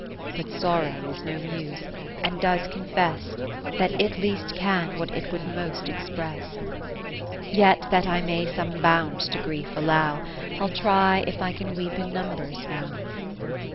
But Sorrow is no Muse, and does confess, That it least can, what it would most express. Yet that I may some bounds to Grief allow, I'll try if I can weep in numbers now.